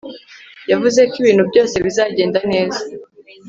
Yavuze ko ibintu byose bizagenda neza